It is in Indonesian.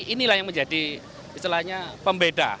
inilah yang menjadi istilahnya pembeda